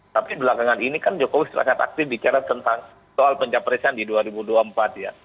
tapi belakangan ini kan jokowi sangat aktif bicara tentang soal pencapresan di dua ribu dua puluh empat ya